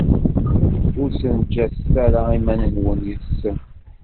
Ur ssenǧaset ara iman-nwen yes-sen.